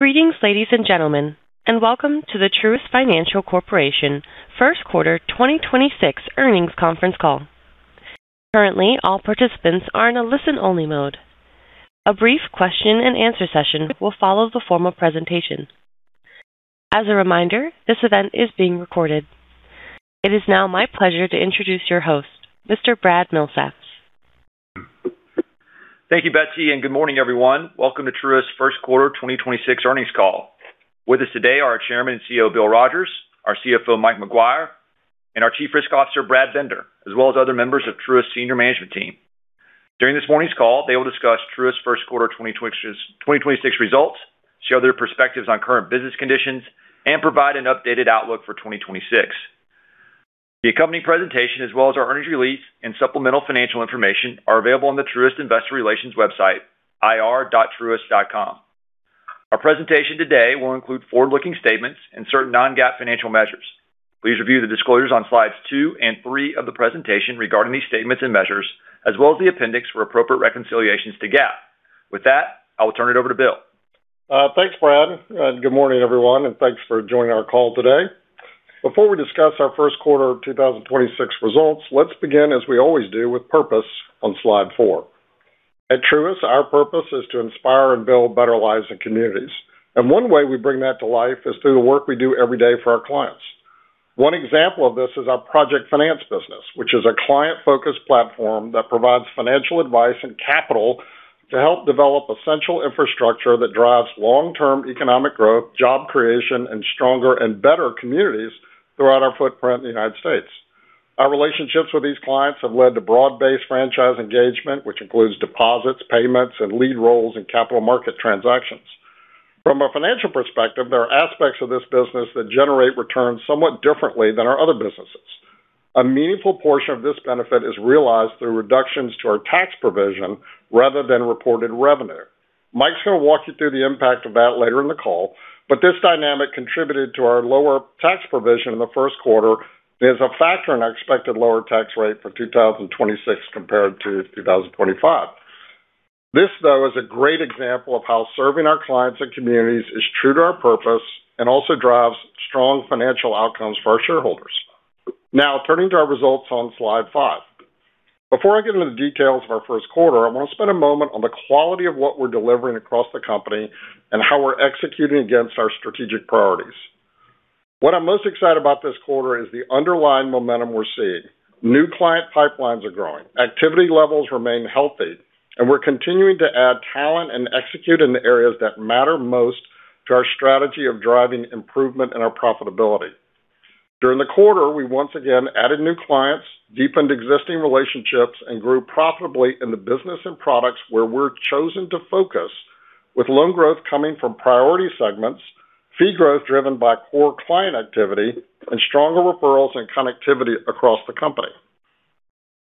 Greetings, ladies and gentlemen, and welcome to the Truist Financial Corporation First Quarter 2026 Earnings Conference Call. Currently, all participants are in a listen-only mode. A brief question and answer session will follow the formal presentation. As a reminder, this event is being recorded. It is now my pleasure to introduce your host, Mr. Brad Milsaps. Thank you, Betsy, and good morning, everyone. Welcome to Truist First Quarter 2026 Earnings Call. With us today are Chairman and CEO, Bill Rogers, our CFO, Mike Maguire, and our Chief Risk Officer, Brad Bender, as well as other members of Truist senior management team. During this morning's call, they will discuss Truist First Quarter 2026 results, share their perspectives on current business conditions, and provide an updated outlook for 2026. The accompanying presentation, as well as our earnings release and supplemental financial information, are available on the Truist Investor Relations website, ir.truist.com. Our presentation today will include forward-looking statements and certain non-GAAP financial measures. Please review the disclosures on slides two and three of the presentation regarding these statements and measures, as well as the appendix for appropriate reconciliations to GAAP. With that, I will turn it over to Bill. Thanks, Brad, and good morning, everyone, and thanks for joining our call today. Before we discuss our first quarter of 2026 results, let's begin, as we always do, with purpose on slide four. At Truist, our purpose is to inspire and build better lives and communities, and one way we bring that to life is through the work we do every day for our clients. One example of this is our project finance business, which is a client-focused platform that provides financial advice and capital to help develop essential infrastructure that drives long-term economic growth, job creation, and stronger and better communities throughout our footprint in the United States. Our relationships with these clients have led to broad-based franchise engagement, which includes deposits, payments, and lead roles in capital market transactions. From a financial perspective, there are aspects of this business that generate returns somewhat differently than our other businesses. A meaningful portion of this benefit is realized through reductions to our tax provision rather than reported revenue. Mike's going to walk you through the impact of that later in the call, but this dynamic contributed to our lower tax provision in the first quarter and is a factor in our expected lower tax rate for 2026 compared to 2025. This, though, is a great example of how serving our clients and communities is true to our purpose and also drives strong financial outcomes for our shareholders. Now turning to our results on slide five. Before I get into the details of our first quarter, I want to spend a moment on the quality of what we're delivering across the company and how we're executing against our strategic priorities. What I'm most excited about this quarter is the underlying momentum we're seeing. New client pipelines are growing. Activity levels remain healthy, and we're continuing to add talent and execute in the areas that matter most to our strategy of driving improvement in our profitability. During the quarter, we once again added new clients, deepened existing relationships, and grew profitably in the business and products where we're chosen to focus with loan growth coming from priority segments, fee growth driven by core client activity, and stronger referrals and connectivity across the company.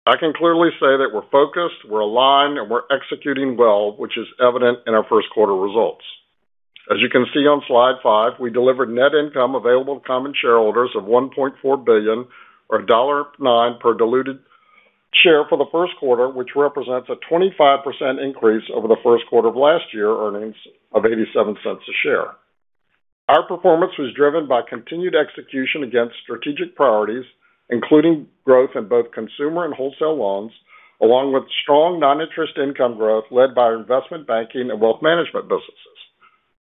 I can clearly say that we're focused, we're aligned, and we're executing well, which is evident in our first quarter results. As you can see on slide five, we delivered net income available to common shareholders of $1.4 billion or $1.09 per diluted share for the first quarter, which represents a 25% increase over the first quarter of last year, earnings of $0.87 per share. Our performance was driven by continued execution against strategic priorities, including growth in both consumer and wholesale loans, along with strong non-interest income growth led by our investment banking and wealth management businesses.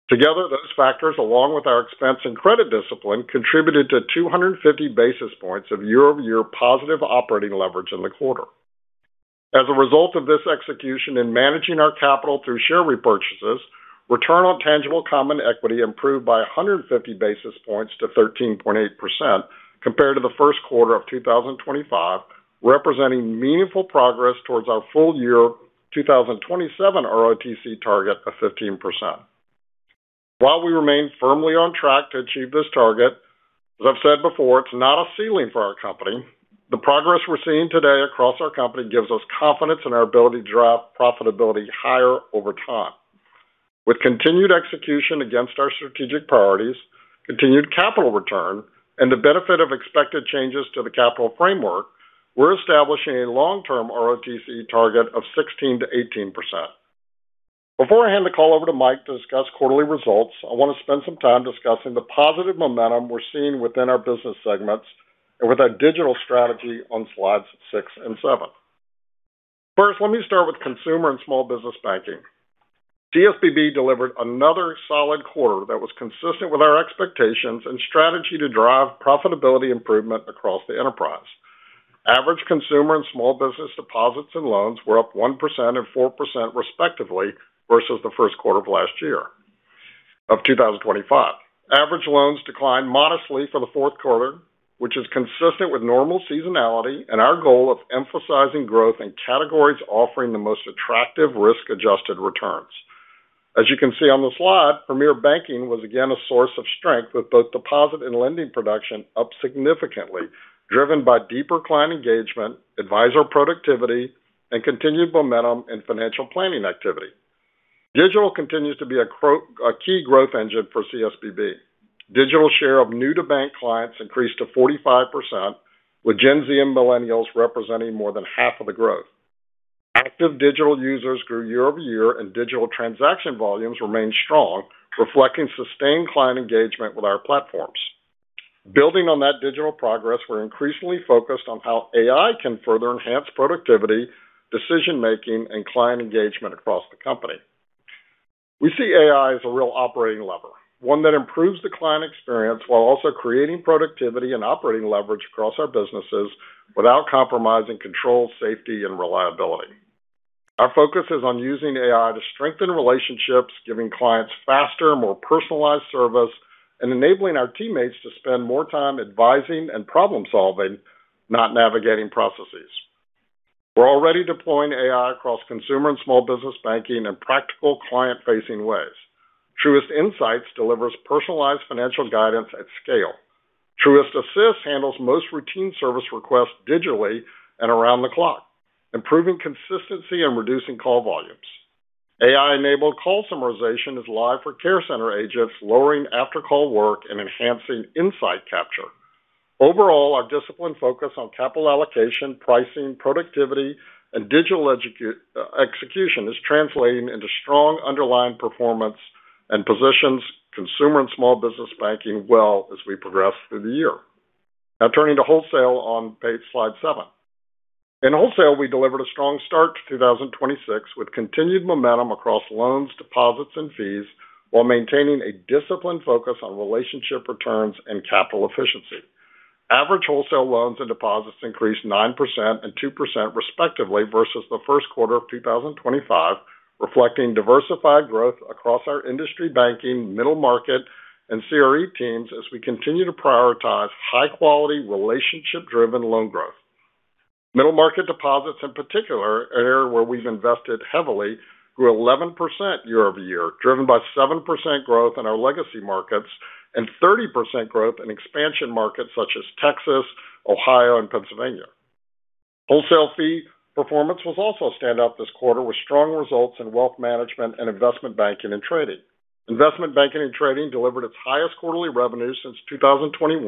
Together, those factors, along with our expense and credit discipline, contributed to 250 basis points of year-over-year positive operating leverage in the quarter. As a result of this execution in managing our capital through share repurchases, return on tangible common equity improved by 150 basis points to 13.8% compared to the first quarter of 2025, representing meaningful progress towards our full year 2027 ROTCE target of 15%. While we remain firmly on track to achieve this target, as I've said before, it's not a ceiling for our company. The progress we're seeing today across our company gives us confidence in our ability to drive profitability higher over time. With continued execution against our strategic priorities, continued capital return, and the benefit of expected changes to the capital framework, we're establishing a long-term ROTCE target of 16%-18%. Before I hand the call over to Mike to discuss quarterly results, I want to spend some time discussing the positive momentum we're seeing within our business segments and with our digital strategy on slides six and seven. First, let me start with Consumer and Small Business Banking. CSBB delivered another solid quarter that was consistent with our expectations and strategy to drive profitability improvement across the enterprise. Average consumer and small business deposits and loans were up 1% and 4% respectively versus the first quarter of last year, 2025. Average loans declined modestly for the fourth quarter, which is consistent with normal seasonality and our goal of emphasizing growth in categories offering the most attractive risk-adjusted returns. As you can see on the slide, Premier Banking was again a source of strength with both deposit and lending production up significantly, driven by deeper client engagement, advisor productivity, and continued momentum in financial planning activity. Digital continues to be a key growth engine for CSBB. Digital share of new-to-bank clients increased to 45%, with Gen Z and Millennials representing more than half of the growth. Active digital users grew year-over-year and digital transaction volumes remained strong, reflecting sustained client engagement with our platforms. Building on that digital progress, we're increasingly focused on how AI can further enhance productivity, decision making, and client engagement across the company. We see AI as a real operating lever, one that improves the client experience while also creating productivity and operating leverage across our businesses without compromising control, safety, and reliability. Our focus is on using AI to strengthen relationships, giving clients faster, more personalized service, and enabling our teammates to spend more time advising and problem-solving, not navigating processes. We're already deploying AI across Consumer and Small Business Banking in practical client-facing ways. Truist Insights delivers personalized financial guidance at scale. Truist Assist handles most routine service requests digitally and around the clock, improving consistency and reducing call volumes. AI-enabled call summarization is live for care center agents, lowering after-call work and enhancing insight capture. Overall, our disciplined focus on capital allocation, pricing, productivity, and digital execution is translating into strong underlying performance and positions Consumer and Small Business Banking well as we progress through the year. Now turning to wholesale on slide seven. In wholesale, we delivered a strong start to 2026 with continued momentum across loans, deposits, and fees while maintaining a disciplined focus on relationship returns and capital efficiency. Average wholesale loans and deposits increased 9% and 2% respectively versus the first quarter of 2025, reflecting diversified growth across our industry banking, middle market, and CRE teams as we continue to prioritize high quality, relationship-driven loan growth. Middle market deposits in particular, an area where we've invested heavily, grew 11% year-over-year, driven by 7% growth in our legacy markets and 30% growth in expansion markets such as Texas, Ohio, and Pennsylvania. Wholesale fee performance was also a standout this quarter with strong results in wealth management and investment banking and trading. Investment banking and trading delivered its highest quarterly revenue since 2021,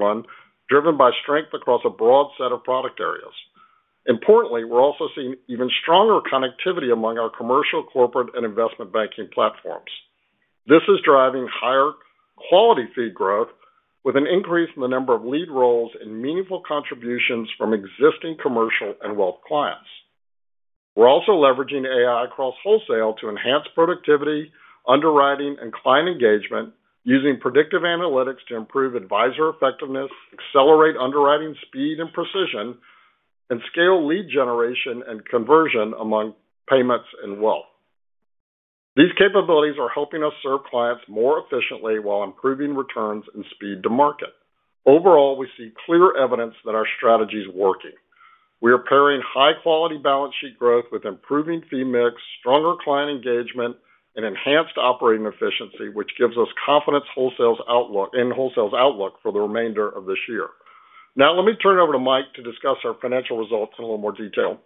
driven by strength across a broad set of product areas. Importantly, we're also seeing even stronger connectivity among our commercial, corporate, and investment banking platforms. This is driving higher quality fee growth with an increase in the number of lead roles and meaningful contributions from existing commercial and wealth clients. We're also leveraging AI across wholesale to enhance productivity, underwriting, and client engagement using predictive analytics to improve advisor effectiveness, accelerate underwriting speed and precision, and scale lead generation and conversion among payments and wealth. These capabilities are helping us serve clients more efficiently while improving returns and speed to market. Overall, we see clear evidence that our strategy is working. We are pairing high-quality balance sheet growth with improving fee mix, stronger client engagement, and enhanced operating efficiency, which gives us confidence in wholesale's outlook for the remainder of this year. Now let me turn it over to Mike to discuss our financial results in a little more detail.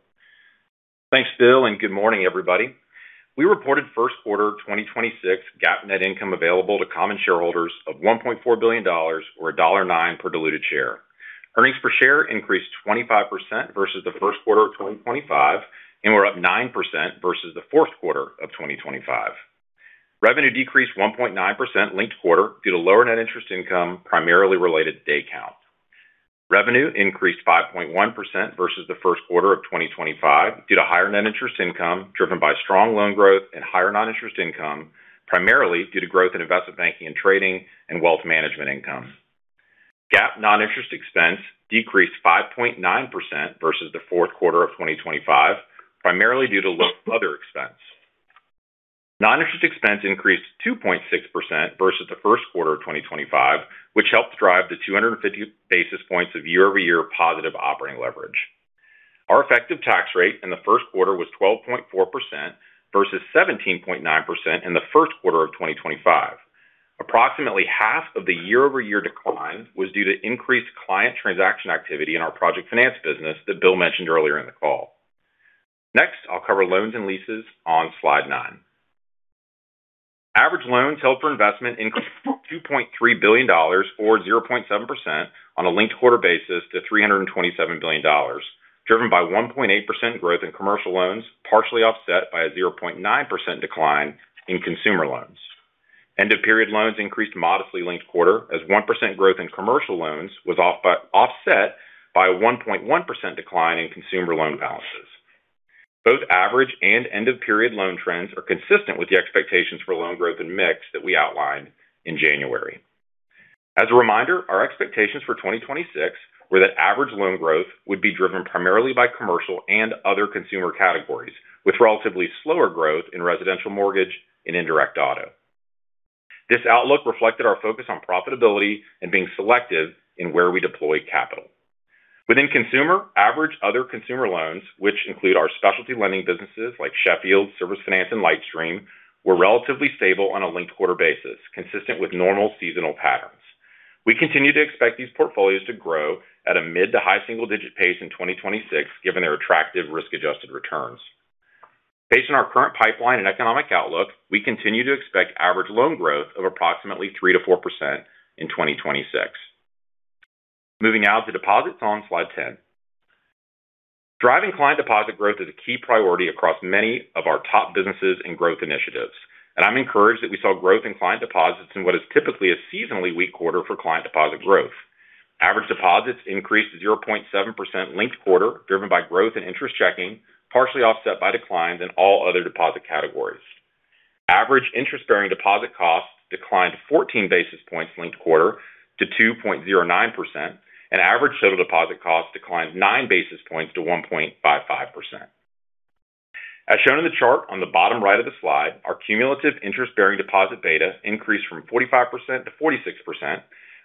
Thanks, Bill, and good morning, everybody. We reported first quarter 2026 GAAP net income available to common shareholders of $1.4 billion, or $1.9 per diluted share. Earnings per share increased 25% versus the first quarter of 2025, and were up 9% versus the fourth quarter of 2025. Revenue decreased 1.9% linked-quarter due to lower net interest income, primarily related to day count. Revenue increased 5.1% versus the first quarter of 2025 due to higher net interest income driven by strong loan growth and higher non-interest income, primarily due to growth in investment banking and trading and wealth management income. GAAP non-interest expense decreased 5.9% versus the fourth quarter of 2025, primarily due to lower other expense. Non-interest expense increased 2.6% versus the first quarter of 2025, which helped drive the 250 basis points of year-over-year positive operating leverage. Our effective tax rate in the first quarter was 12.4% versus 17.9% in the first quarter of 2025. Approximately half of the year-over-year decline was due to increased client transaction activity in our project finance business that Bill mentioned earlier in the call. Next, I'll cover loans and leases on slide nine. Average loans held for investment increased $2.3 billion, or 0.7%, on a linked quarter basis to $327 billion, driven by 1.8% growth in commercial loans, partially offset by a 0.9% decline in consumer loans. End-of-period loans increased modestly linked quarter as 1% growth in commercial loans was offset by a 1.1% decline in consumer loan balances. Both average and end-of-period loan trends are consistent with the expectations for loan growth and mix that we outlined in January. As a reminder, our expectations for 2026 were that average loan growth would be driven primarily by commercial and other consumer categories with relatively slower growth in residential mortgage and indirect auto. This outlook reflected our focus on profitability and being selective in where we deploy capital. Within consumer, average other consumer loans, which include our specialty lending businesses like Sheffield, Service Finance, and LightStream, were relatively stable on a linked-quarter basis, consistent with normal seasonal patterns. We continue to expect these portfolios to grow at a mid- to high-single-digit pace in 2026 given their attractive risk-adjusted returns. Based on our current pipeline and economic outlook, we continue to expect average loan growth of approximately 3%-4% in 2026. Moving now to deposits on slide 10. Driving client deposit growth is a key priority across many of our top businesses and growth initiatives. I'm encouraged that we saw growth in client deposits in what is typically a seasonally weak quarter for client deposit growth. Average deposits increased 0.7% linked quarter, driven by growth in interest checking, partially offset by declines in all other deposit categories. Average interest-bearing deposit costs declined 14 basis points linked quarter to 2.09%, and average total deposit costs declined nine basis points to 1.55%. As shown in the chart on the bottom right of the slide, our cumulative interest-bearing deposit beta increased from 45%-46%,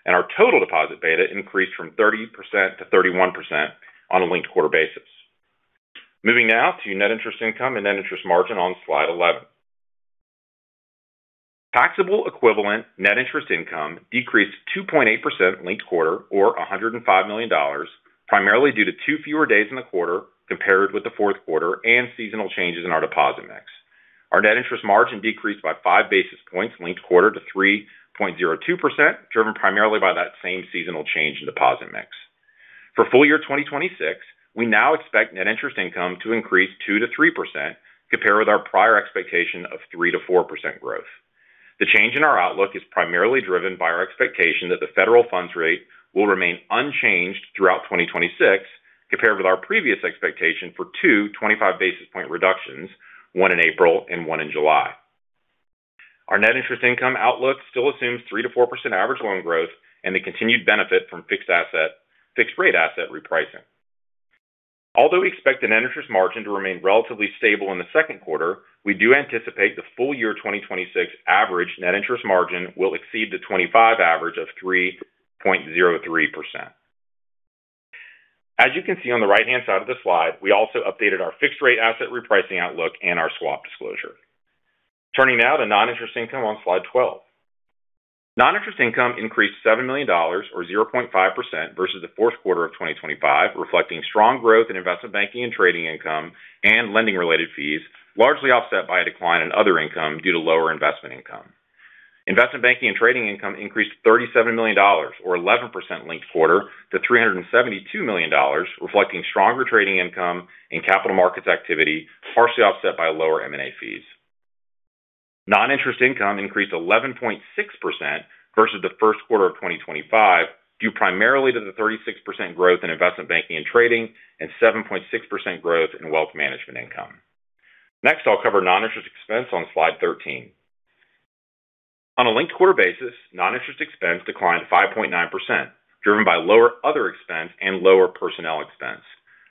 and our total deposit beta increased from 30%-31% on a linked quarter basis. Moving now to net interest income and net interest margin on slide 11. Taxable equivalent net interest income decreased 2.8% linked quarter, or $105 million, primarily due to two fewer days in the quarter compared with the fourth quarter and seasonal changes in our deposit mix. Our net interest margin decreased by five basis points linked-quarter to 3.02%, driven primarily by that same seasonal change in deposit mix. For full year 2026, we now expect net interest income to increase 2%-3%, compared with our prior expectation of 3%-4% growth. The change in our outlook is primarily driven by our expectation that the federal funds rate will remain unchanged throughout 2026, compared with our previous expectation for two 25-basis-point reductions, one in April and one in July. Our net interest income outlook still assumes 3%-4% average loan growth and the continued benefit from fixed rate asset repricing. Although we expect the net interest margin to remain relatively stable in the second quarter, we do anticipate the full year 2026 average net interest margin will exceed the 2025 average of 3.03%. As you can see on the right-hand side of the slide, we also updated our fixed rate asset repricing outlook and our swap disclosure. Turning now to non-interest income on slide 12. Non-interest income increased $7 million, or 0.5%, versus the fourth quarter of 2025, reflecting strong growth in investment banking and trading income and lending related fees, largely offset by a decline in other income due to lower investment income. Investment banking and trading income increased $37 million, or 11%, linked quarter to $372 million, reflecting stronger trading income and capital markets activity, partially offset by lower M&A fees. Non-interest income increased 11.6% versus the first quarter of 2025, due primarily to the 36% growth in investment banking and trading and 7.6% growth in wealth management income. Next, I'll cover non-interest expense on slide 13. On a linked-quarter basis, non-interest expense declined 5.9%, driven by lower other expense and lower personnel expense.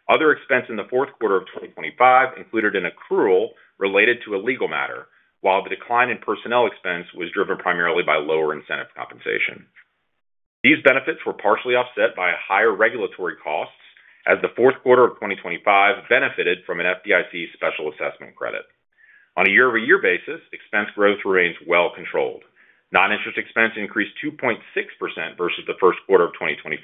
Other expense in the fourth quarter of 2025 included an accrual related to a legal matter, while the decline in personnel expense was driven primarily by lower incentive compensation. These benefits were partially offset by higher regulatory costs as the fourth quarter of 2025 benefited from an FDIC special assessment credit. On a year-over-year basis, expense growth remains well controlled. Non-interest expense increased 2.6% versus the first quarter of 2025,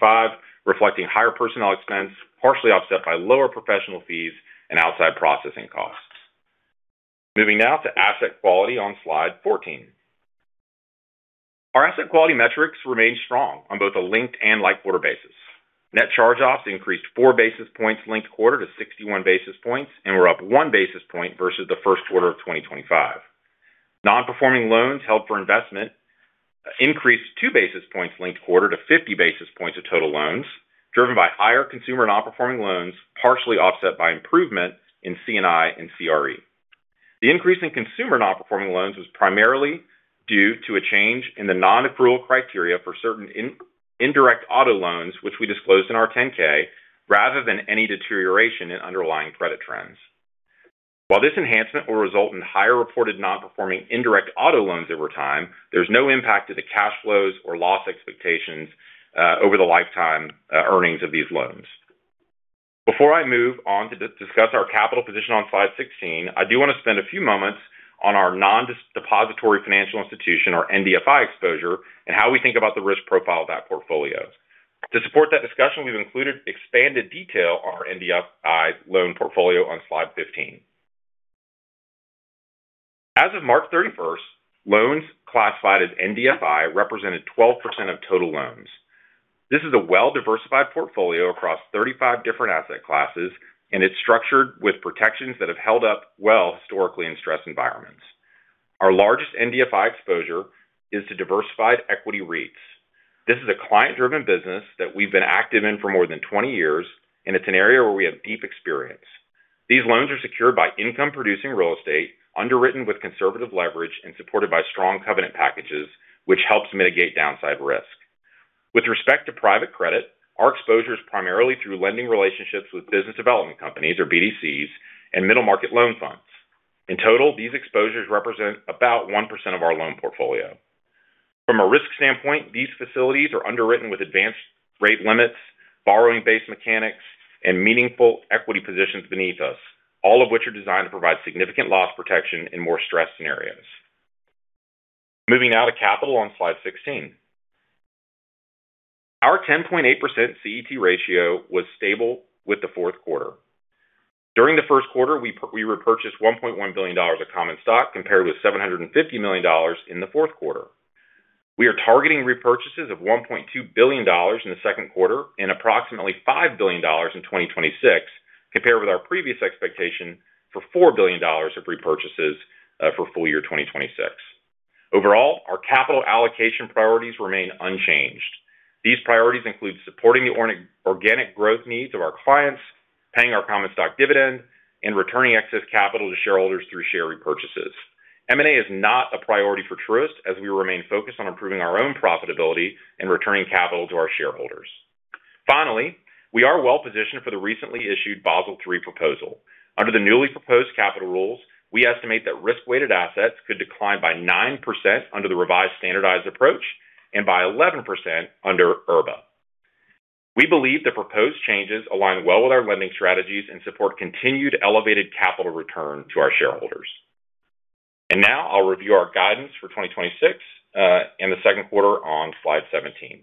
reflecting higher personnel expense, partially offset by lower professional fees and outside processing costs. Moving now to asset quality on slide 14. Our asset quality metrics remained strong on both a linked-quarter and year-over-year basis. Net charge-offs increased four basis points linked quarter to 61 basis points and were up one basis point versus the first quarter of 2025. Non-performing loans held for investment increased two basis points linked quarter to 50 basis points of total loans, driven by higher consumer non-performing loans, partially offset by improvement in C&I and CRE. The increase in consumer non-performing loans was primarily due to a change in the non-approval criteria for certain indirect auto loans, which we disclosed in our 10-K, rather than any deterioration in underlying credit trends. While this enhancement will result in higher reported non-performing indirect auto loans over time, there's no impact to the cash flows or loss expectations over the lifetime earnings of these loans. Before I move on to discuss our capital position on slide 16, I do want to spend a few moments on our non-depository financial institution, or NDFI exposure, and how we think about the risk profile of that portfolio. To support that discussion, we've included expanded detail on our NDFI loan portfolio on slide 15. As of March 31st, loans classified as NDFI represented 12% of total loans. This is a well-diversified portfolio across 35 different asset classes, and it's structured with protections that have held up well historically in stress environments. Our largest NDFI exposure is to diversified equity REITs. This is a client-driven business that we've been active in for more than 20 years, and it's an area where we have deep experience. These loans are secured by income-producing real estate, underwritten with conservative leverage and supported by strong covenant packages, which helps mitigate downside risk. With respect to private credit, our exposure is primarily through lending relationships with business development companies, or BDCs, and middle market loan funds. In total, these exposures represent about 1% of our loan portfolio. From a risk standpoint, these facilities are underwritten with advanced rate limits, borrowing base mechanics, and meaningful equity positions beneath us, all of which are designed to provide significant loss protection in more stressed scenarios. Moving now to capital on slide 16. Our 10.8% CET1 ratio was stable with the fourth quarter. During the first quarter, we repurchased $1.1 billion of common stock, compared with $750 million in the fourth quarter. We are targeting repurchases of $1.2 billion in the second quarter and approximately $5 billion in 2026, compared with our previous expectation for $4 billion of repurchases for full year 2026. Overall, our capital allocation priorities remain unchanged. These priorities include supporting the organic growth needs of our clients, paying our common stock dividend, and returning excess capital to shareholders through share repurchases. M&A is not a priority for Truist as we remain focused on improving our own profitability and returning capital to our shareholders. Finally, we are well-positioned for the recently issued Basel III proposal. Under the newly proposed capital rules, we estimate that risk-weighted assets could decline by 9% under the revised standardized approach and by 11% under IRBA. We believe the proposed changes align well with our lending strategies and support continued elevated capital return to our shareholders. Now I'll review our guidance for 2026, and the second quarter on slide 17.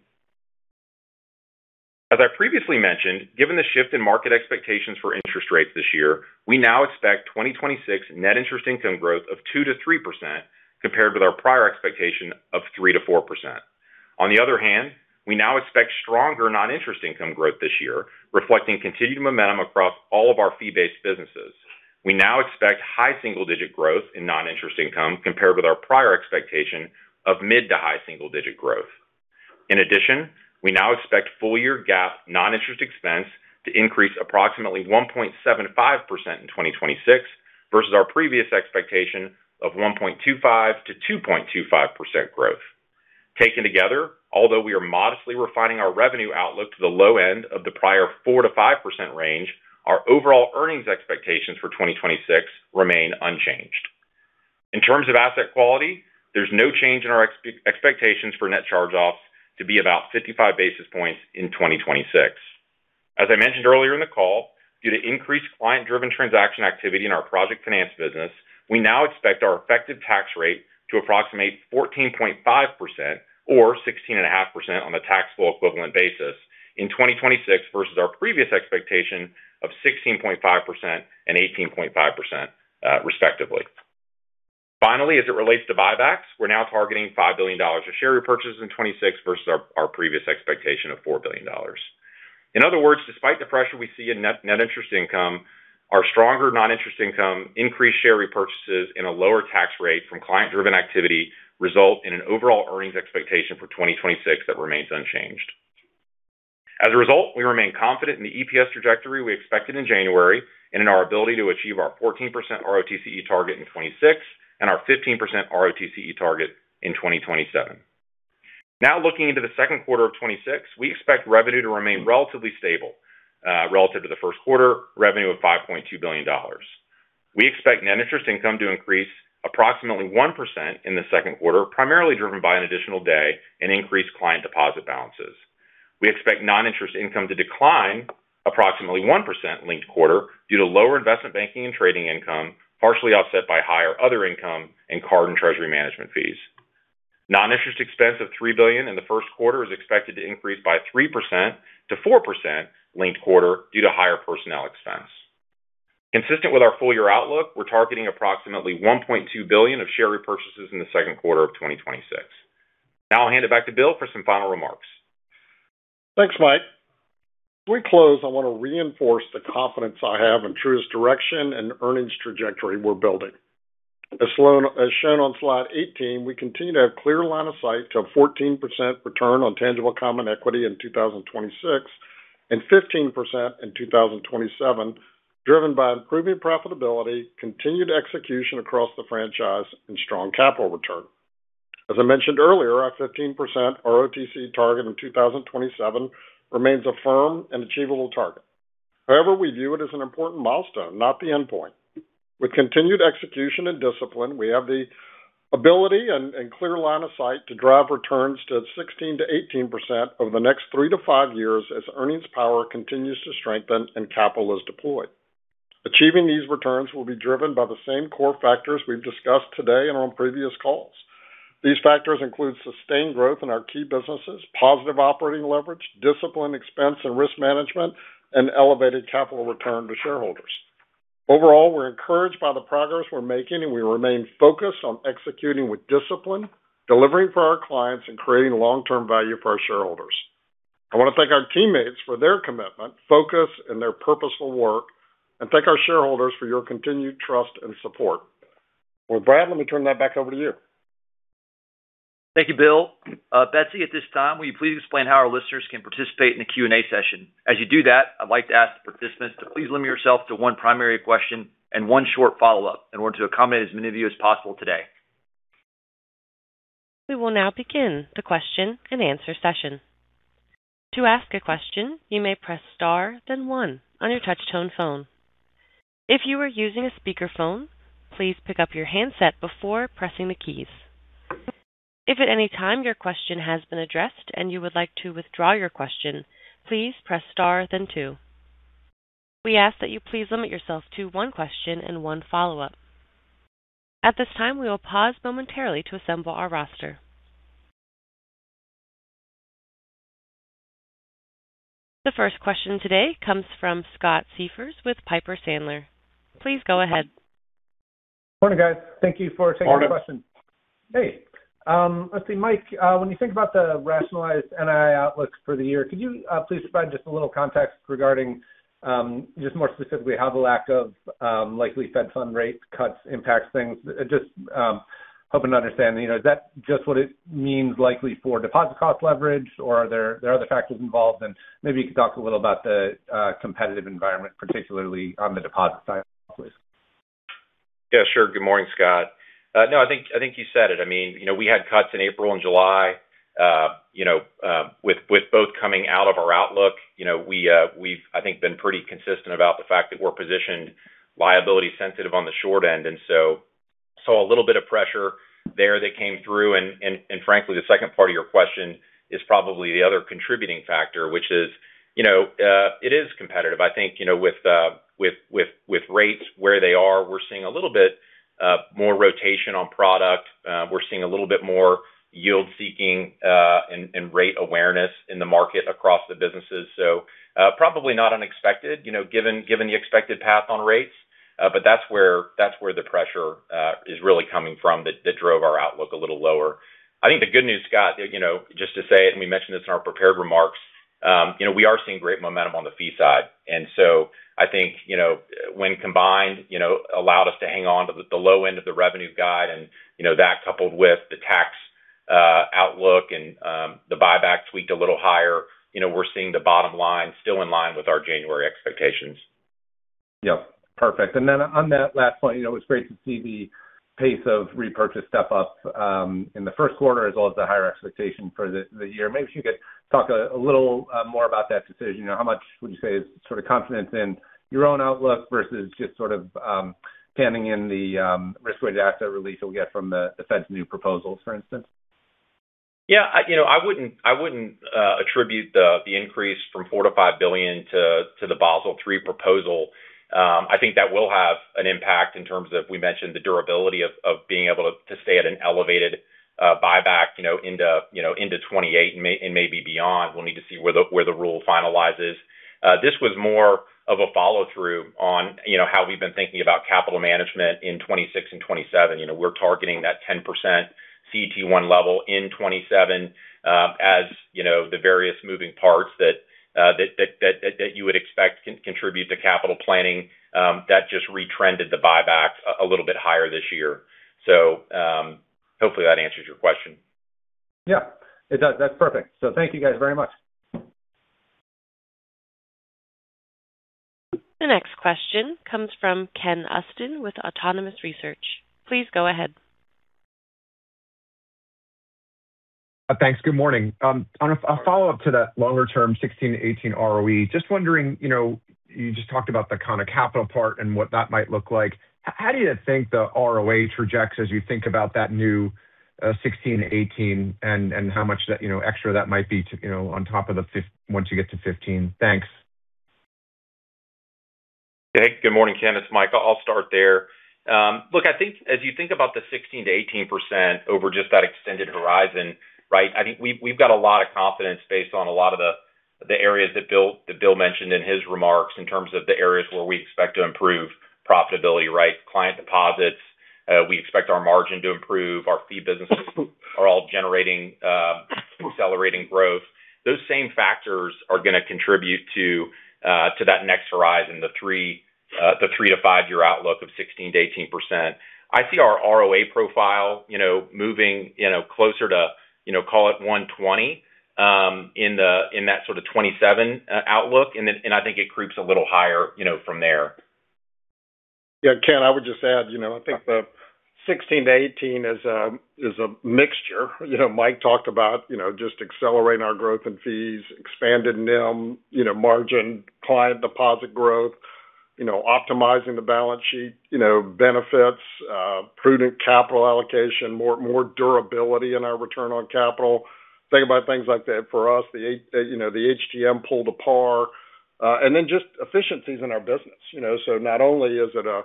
As I previously mentioned, given the shift in market expectations for interest rates this year, we now expect 2026 net interest income growth of 2%-3% compared with our prior expectation of 3%-4%. On the other hand, we now expect stronger non-interest income growth this year, reflecting continued momentum across all of our fee-based businesses. We now expect high single-digit growth in non-interest income compared with our prior expectation of mid- to high-single-digit growth. In addition, we now expect full year GAAP non-interest expense to increase approximately 1.75% in 2026 versus our previous expectation of 1.25%-2.25% growth. Taken together, although we are modestly refining our revenue outlook to the low end of the prior 4%-5% range, our overall earnings expectations for 2026 remain unchanged. In terms of asset quality, there's no change in our expectations for net charge-offs to be about 55 basis points in 2026. As I mentioned earlier in the call, due to increased client-driven transaction activity in our project finance business, we now expect our effective tax rate to approximate 14.5%, or 16.5% on a taxable equivalent basis in 2026, versus our previous expectation of 16.5% and 18.5%, respectively. Finally, as it relates to buybacks, we're now targeting $5 billion of share repurchases in 2026 versus our previous expectation of $4 billion. In other words, despite the pressure we see in net interest income, our stronger non-interest income, increased share repurchases, and a lower tax rate from client-driven activity result in an overall earnings expectation for 2026 that remains unchanged. As a result, we remain confident in the EPS trajectory we expected in January and in our ability to achieve our 14% ROTCE target in 2026 and our 15% ROTCE target in 2027. Now, looking into the second quarter of 2026, we expect revenue to remain relatively stable relative to the first quarter revenue of $5.2 billion. We expect net interest income to increase approximately 1% in the second quarter, primarily driven by an additional day and increased client deposit balances. We expect non-interest income to decline approximately 1% linked-quarter due to lower investment banking and trading income, partially offset by higher other income and card and treasury management fees. Non-interest expense of $3 billion in the first quarter is expected to increase by 3%-4% linked-quarter due to higher personnel expense. Consistent with our full year outlook, we're targeting approximately $1.2 billion of share repurchases in the second quarter of 2026. Now I'll hand it back to Bill for some final remarks. Thanks, Mike. As we close, I want to reinforce the confidence I have in Truist's direction and earnings trajectory we're building. As shown on slide 18, we continue to have clear line of sight to a 14% return on tangible common equity in 2026 and 15% in 2027, driven by improving profitability, continued execution across the franchise and strong capital return. As I mentioned earlier, our 15% ROTCE target in 2027 remains a firm and achievable target. However, we view it as an important milestone, not the endpoint. With continued execution and discipline, we have the ability and clear line of sight to drive returns to 16%-18% over the next three to five years as earnings power continues to strengthen and capital is deployed. Achieving these returns will be driven by the same core factors we've discussed today and on previous calls. These factors include sustained growth in our key businesses, positive operating leverage, disciplined expense and risk management, and elevated capital return to shareholders. Overall, we're encouraged by the progress we're making, and we remain focused on executing with discipline, delivering for our clients, and creating long-term value for our shareholders. I want to thank our teammates for their commitment, focus, and their purposeful work, and thank our shareholders for your continued trust and support. Well, Brad, let me turn that back over to you. Thank you, Bill. Betsy, at this time, will you please explain how our listeners can participate in the Q&A session? As you do that, I'd like to ask the participants to please limit yourself to one primary question and one short follow-up in order to accommodate as many of you as possible today. We will now begin the question and answer session. To ask a question, you may press star then one on your touch tone phone. If you are using a speakerphone, please pick up your handset before pressing the keys. If at any time your question has been addressed and you would like to withdraw your question, please press star then two. We ask that you please limit yourself to one question and one follow-up. At this time, we will pause momentarily to assemble our roster. The first question today comes from Scott Siefers with Piper Sandler. Please go ahead. Morning, guys. Thank you for taking the question. Morning. Hey. Let's see, Mike, when you think about the rationalized NII outlook for the year, could you please provide just a little context regarding just more specifically how the lack of likely Fed funds rate cuts impacts things? Just hoping to understand, is that just what it means likely for deposit cost leverage, or are there other factors involved? Then maybe you could talk a little about the competitive environment, particularly on the deposit side, please. Yeah, sure. Good morning, Scott. No, I think you said it. We had cuts in April and July. With both coming out of our outlook, we've, I think, been pretty consistent about the fact that we're positioned liability sensitive on the short end, and so saw a little bit of pressure there that came through. Frankly, the second part of your question is probably the other contributing factor, which is, it is competitive. I think with rates where they are, we're seeing a little bit more rotation on product. We're seeing a little bit more yield seeking and rate awareness in the market across the businesses. Probably not unexpected given the expected path on rates. That's where the pressure is really coming from that drove our outlook a little lower. I think the good news, Scott, just to say, and we mentioned this in our prepared remarks, we are seeing great momentum on the fee side. I think when combined, allowed us to hang on to the low end of the revenue guide and that coupled with the tax outlook and the buyback tweaked a little higher, we're seeing the bottom line still in line with our January expectations. Yep. Perfect. On that last point, it was great to see the pace of repurchase step up in the first quarter as well as the higher expectation for the year. Maybe if you could talk a little more about that decision. How much would you say is sort of confidence in your own outlook versus just sort of banking on the risk-weighted asset release you'll get from the Fed's new proposals, for instance? Yeah. I wouldn't attribute the increase from $4 billion-$5 billion to the Basel III proposal. I think that will have an impact in terms of, we mentioned the durability of being able to stay at an elevated buyback into 2028 and maybe beyond. We'll need to see where the rule finalizes. This was more of a follow-through on how we've been thinking about capital management in 2026 and 2027. We're targeting that 10% CET1 level in 2027. As the various moving parts that you would expect contribute to capital planning, that just retrended the buybacks a little bit higher this year. Hopefully that answers your question. Yeah. It does. That's perfect. Thank you guys very much. The next question comes from Ken Usdin with Autonomous Research. Please go ahead. Thanks. Good morning. On a follow-up to that longer term 16%-18% ROE, just wondering, you just talked about the kind of capital part and what that might look like. How do you think the ROA projects as you think about that new 16%-18% and how much extra that might be on top of the ones once you get to 15%? Thanks. Good morning, Ken. It's Mike. I'll start there. Look, I think as you think about the 16%-18% over just that extended horizon, right, I think we've got a lot of confidence based on a lot of the areas that Bill mentioned in his remarks in terms of the areas where we expect to improve profitability, right? Client deposits. We expect our margin to improve. Our fee businesses are all generating accelerating growth. Those same factors are going to contribute to that next horizon, the three to five year outlook of 16%-18%. I see our ROA profile moving closer to call it 120 in that sort of 2027 outlook, and I think it creeps a little higher from there. Yeah, Ken, I would just add, I think the 16%-18% is a mixture. Mike talked about just accelerating our growth in fees, expanded NIM margin, client deposit growth, optimizing the balance sheet benefits, prudent capital allocation, more durability in our return on capital. Think about things like that for us, the HTM pull to par, and then just efficiencies in our business. Not only is it a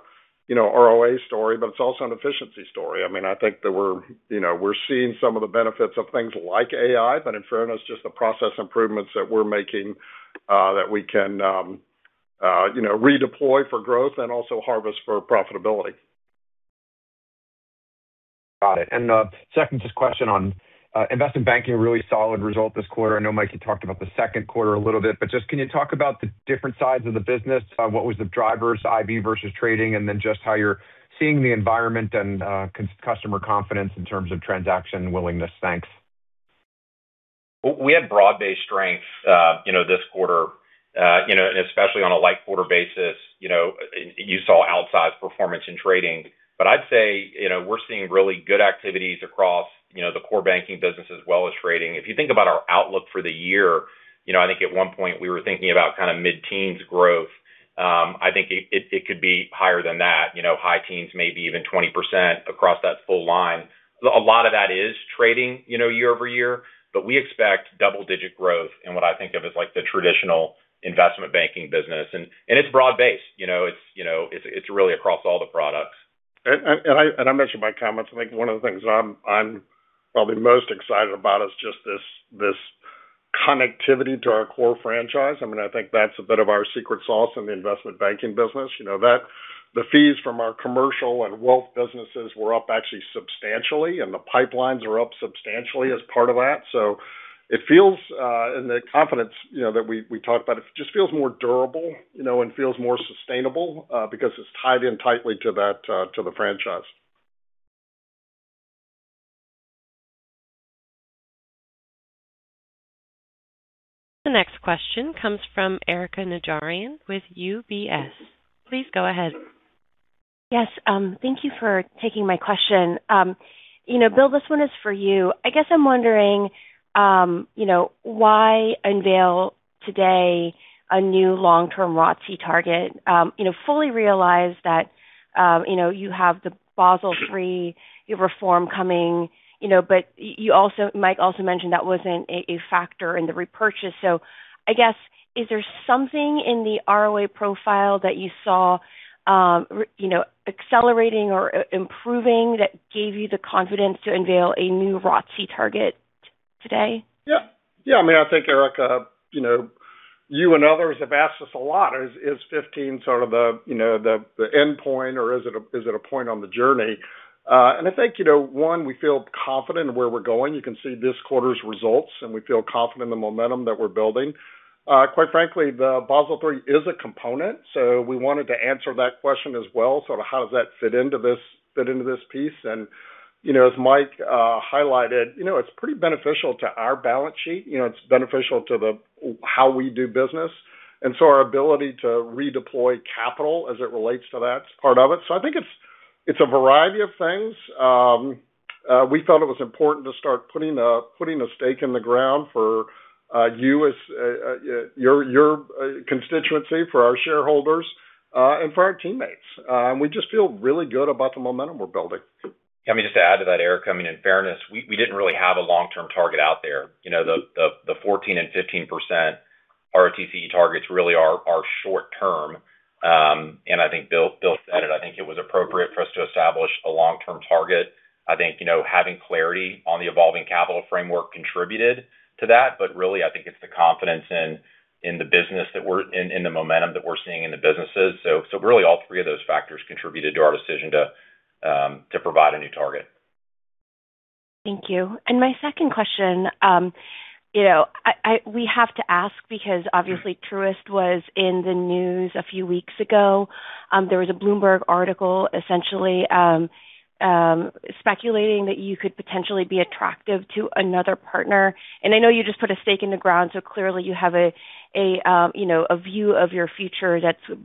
ROA story, but it's also an efficiency story. I think that we're seeing some of the benefits of things like AI, but in fairness, just the process improvements that we're making that we can redeploy for growth and also harvest for profitability. Got it. Second, just a question on investment banking. Really solid result this quarter. I know, Mike, you talked about the second quarter a little bit, but just can you talk about the different sides of the business? What was the drivers, IB versus trading, and then just how you're seeing the environment and customer confidence in terms of transaction willingness? Thanks. We had broad-based strength this quarter, and especially on a linked quarter basis, you saw outsized performance in trading. I'd say we're seeing really good activities across the core banking business as well as trading. If you think about our outlook for the year, I think at one point we were thinking about kind of mid-teens growth. I think it could be higher than that, high teens, maybe even 20% across that full line. A lot of that is trading year-over-year, but we expect double-digit growth in what I think of as the traditional investment banking business. It's broad-based. It's really across all the products. I mentioned in my comments, I think one of the things I'm probably most excited about is just this connectivity to our core franchise. I think that's a bit of our secret sauce in the investment banking business. The fees from our commercial and wealth businesses were up actually substantially, and the pipelines are up substantially as part of that. It feels, and the confidence that we talked about, it just feels more durable and feels more sustainable because it's tied in tightly to the franchise. The next question comes from Erika Najarian with UBS. Please go ahead. Yes. Thank you for taking my question. Bill, this one is for you. I guess I'm wondering why unveil today a new long-term ROTCE target. Fully realize that you have the Basel III reform coming, but Mike also mentioned that wasn't a factor in the repurchase. I guess, is there something in the ROA profile that you saw accelerating or improving that gave you the confidence to unveil a new ROTCE target today? Yeah. I think, Erika, you and others have asked us a lot. Is 15 sort of the endpoint or is it a point on the journey? I think, one, we feel confident in where we're going. You can see this quarter's results, and we feel confident in the momentum that we're building. Quite frankly, the Basel III is a component, so we wanted to answer that question as well, sort of how does that fit into this piece? As Mike highlighted, it's pretty beneficial to our balance sheet. It's beneficial to how we do business. Our ability to redeploy capital as it relates to that is part of it. I think it's a variety of things. We thought it was important to start putting a stake in the ground for your constituency, for our shareholders, and for our teammates. We just feel really good about the momentum we're building. Just to add to that, Erika, in fairness, we didn't really have a long-term target out there. The 14% and 15% ROTCE targets really are short-term. I think Bill said it, I think it was appropriate for us to establish a long-term target. I think having clarity on the evolving capital framework contributed to that. Really, I think it's the confidence in the momentum that we're seeing in the businesses. Really all three of those factors contributed to our decision to provide a new target. Thank you. My second question. We have to ask because obviously Truist was in the news a few weeks ago. There was a Bloomberg article essentially speculating that you could potentially be attractive to another partner. I know you just put a stake in the ground, so clearly you have a view of your future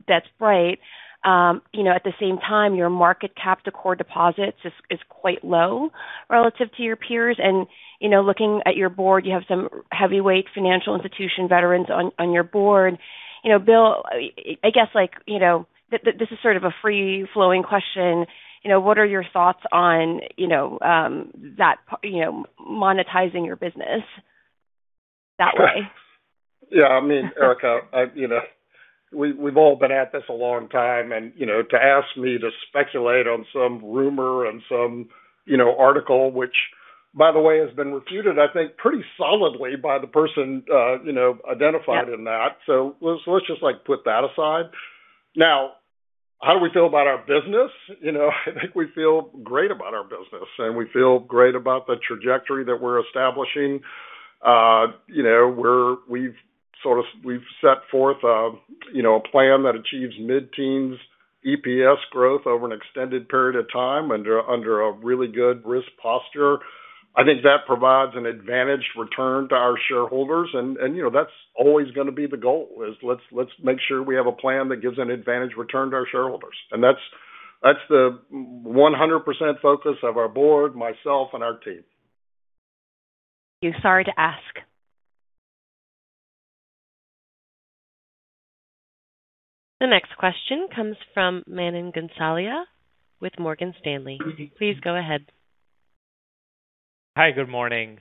that's bright. At the same time, your market cap to core deposits is quite low relative to your peers. Looking at your board, you have some heavyweight financial institution veterans on your board. Bill, I guess this is sort of a free-flowing question. What are your thoughts on monetizing your business that way? Erika, we've all been at this a long time, and to ask me to speculate on some rumor and some article, which by the way, has been refuted, I think, pretty solidly by the person identified in that. So let's just put that aside. Now, how do we feel about our business? I think we feel great about our business, and we feel great about the trajectory that we're establishing. We've set forth a plan that achieves mid-teens EPS growth over an extended period of time under a really good risk posture. I think that provides an advantaged return to our shareholders, and that's always going to be the goal is let's make sure we have a plan that gives an advantaged return to our shareholders. That's the 100% focus of our board, myself, and our team. Sorry to ask. The next question comes from Manan Gosalia with Morgan Stanley. Please go ahead. Hi. Good morning.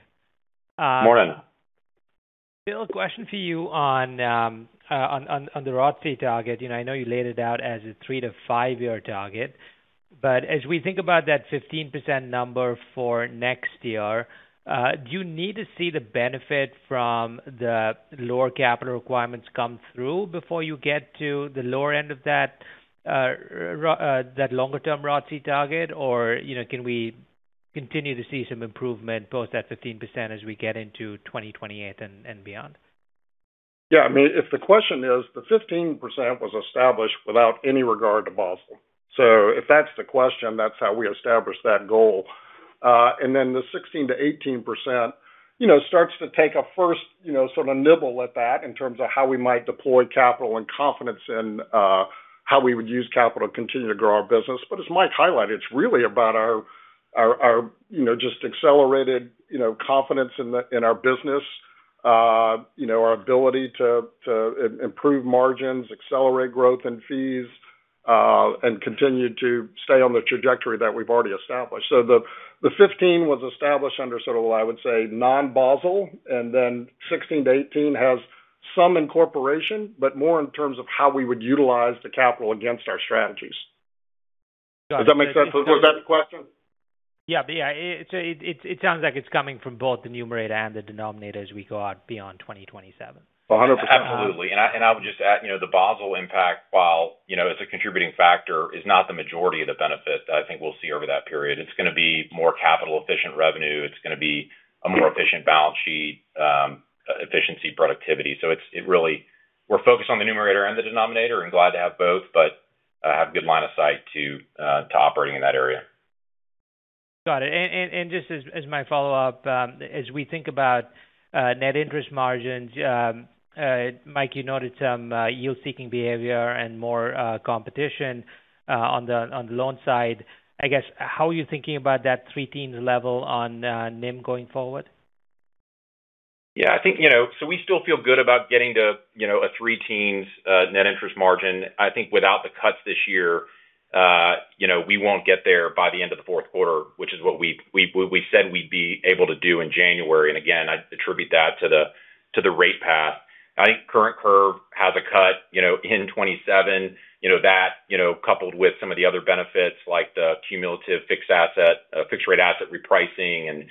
Morning. Bill, question for you on the ROTCE target. I know you laid it out as a three to five year target. As we think about that 15% number for next year, do you need to see the benefit from the lower capital requirements come through before you get to the lower end of that longer-term ROTCE target? Or can we continue to see some improvement both at 15% as we get into 2028 and beyond? If the question is the 15% was established without any regard to Basel. If that's the question, that's how we established that goal. Then the 16%-18% starts to take a first sort of nibble at that in terms of how we might deploy capital and confidence in how we would use capital to continue to grow our business. As Mike highlighted, it's really about our just accelerated confidence in our business, our ability to improve margins, accelerate growth in fees, and continue to stay on the trajectory that we've already established. The 15% was established under sort of, I would say, non-Basel, and then 16%-18% has some incorporation, but more in terms of how we would utilize the capital against our strategies. Does that make sense? Was that the question? Yeah. It sounds like it's coming from both the numerator and the denominator as we go out beyond 2027. 100%. Absolutely. I would just add, the Basel impact, while it's a contributing factor, is not the majority of the benefit I think we'll see over that period. It's going to be more capital efficient revenue. It's going to be a more efficient balance sheet, efficiency, productivity. We're focused on the numerator and the denominator and glad to have both, but have good line of sight to operating in that area. Got it. Just as my follow-up, as we think about net interest margins, Mike, you noted some yield-seeking behavior and more competition on the loan side. I guess, how are you thinking about that 3% level on NIM going forward? Yeah. We still feel good about getting to a 3% net interest margin. I think without the cuts this year, we won't get there by the end of the fourth quarter, which is what we said we'd be able to do in January. Again, I'd attribute that to the rate path. I think current curve has a cut in 2027. That, coupled with some of the other benefits like the cumulative fixed rate asset repricing and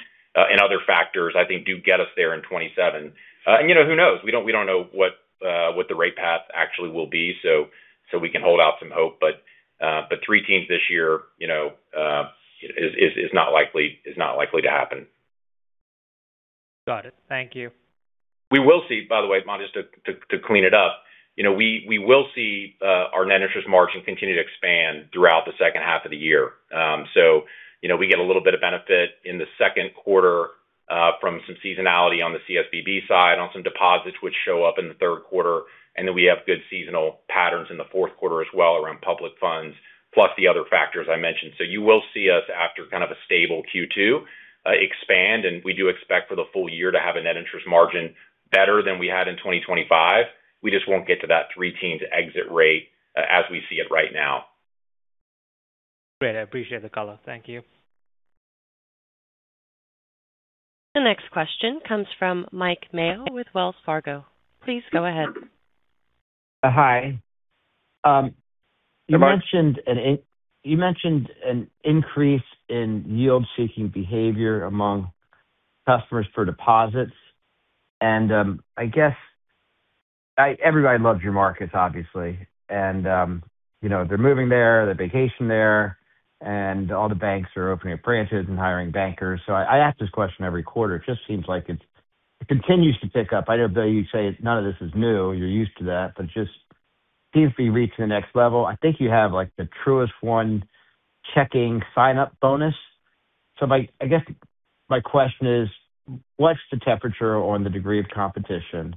other factors, I think, do get us there in 2027. Who knows? We don't know what the rate path actually will be, so we can hold out some hope. The 3% this year is not likely to happen. Got it. Thank you. We will see, by the way, Manan, just to clean it up. We will see our net interest margin continue to expand throughout the second half of the year. We get a little bit of benefit in the second quarter from some seasonality on the CSBB side on some deposits which show up in the third quarter, and then we have good seasonal patterns in the fourth quarter as well around public funds, plus the other factors I mentioned. You will see us after kind of a stable Q2 expand, and we do expect for the full year to have a net interest margin better than we had in 2025. We just won't get to that 3% exit rate as we see it right now. Great. I appreciate the color. Thank you. The next question comes from Mike Mayo with Wells Fargo. Please go ahead. Hi. You mentioned an increase in yield-seeking behavior among customers for deposits. I guess everybody loves your markets, obviously. They're moving there, they vacation there, and all the banks are opening up branches and hiring bankers. I ask this question every quarter. It just seems like it continues to pick up. I know you'd say none of this is new. You're used to that, but just seems to be reaching the next level. I think you have the Truist One Checking sign-up bonus. I guess my question is, what's the temperature on the degree of competition?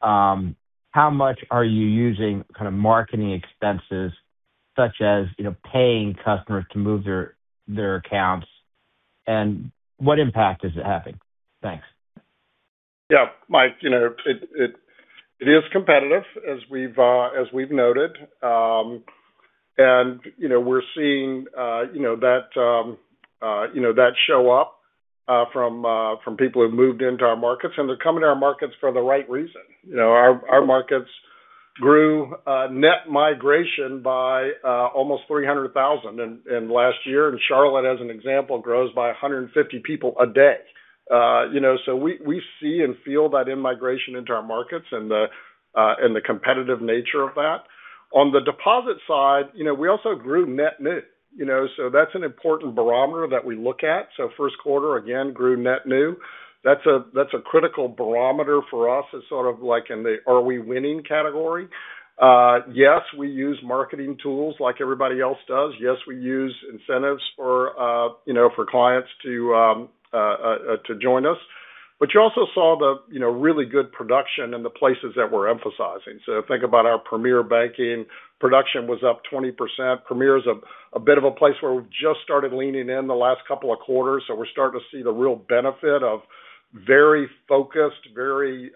How much are you using kind of marketing expenses such as paying customers to move their accounts, and what impact is it having? Thanks. Yeah. Mike, it is competitive, as we've noted. We're seeing that show up from people who've moved into our markets, and they're coming to our markets for the right reason. Our markets grew net migration by almost 300,000 in the last year. Charlotte, as an example, grows by 150 people a day. We see and feel that in-migration into our markets and the competitive nature of that. On the deposit side, we also grew net new. That's an important barometer that we look at. First quarter, again, grew net new. That's a critical barometer for us as sort of like in the are we winning category? Yes, we use marketing tools like everybody else does. Yes, we use incentives for clients to join us. You also saw the really good production in the places that we're emphasizing. Think about our Premier Banking. Production was up 20%. Premier is a bit of a place where we've just started leaning in the last couple of quarters. We're starting to see the real benefit of very focused, very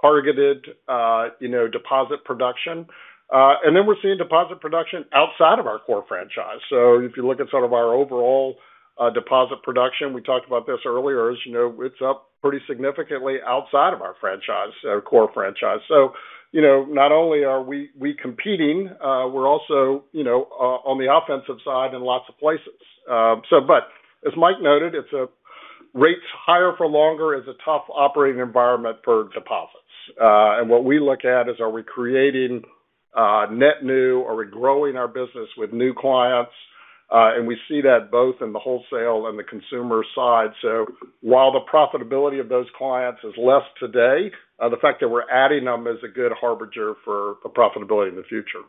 targeted deposit production. Then we're seeing deposit production outside of our core franchise. If you look at sort of our overall deposit production, we talked about this earlier. As you know, it's up pretty significantly outside of our core franchise. Not only are we competing, we're also on the offensive side in lots of places. As Mike noted, rates higher for longer is a tough operating environment for deposits. What we look at is are we creating net new? Are we growing our business with new clients? We see that both in the wholesale and the consumer side. While the profitability of those clients is less today, the fact that we're adding them is a good harbinger for profitability in the future.